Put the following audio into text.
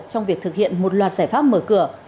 trong việc thực hiện một loạt giải pháp mở cửa